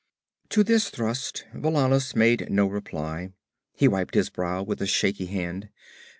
To this thrust Valannus made no reply; he wiped his brow with a shaky hand.